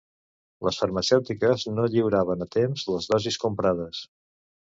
Les farmacèutiques no lliuraven a temps les dosis comprades.